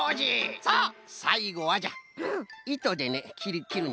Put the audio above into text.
さあさいごはじゃいとでねきるんじゃ！